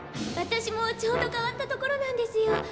私もちょうど代わったところなんですよ。